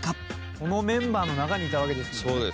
「このメンバーの中にいたわけですもんね」